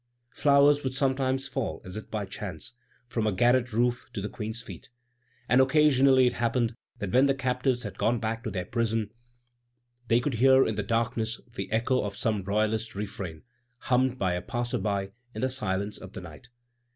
Flowers would sometimes fall, as if by chance, from a garret roof to the Queen's feet, and occasionally it happened that when the captives had gone back to their prison, they would hear in the darkness the echo of some royalist refrain, hummed by a passer by in the silence of the night.